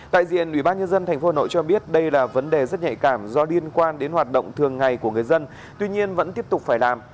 tại diện ủy ban nhân dân tp hcm cho biết đây là vấn đề rất nhạy cảm do liên quan đến hoạt động thường ngày của người dân tuy nhiên vẫn tiếp tục phải làm